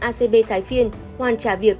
acb thái phiên hoàn trả việc